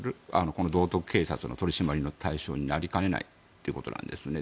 この道徳警察の取り締まりの対象になりかねないということなんですね。